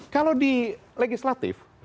kalau di legislatif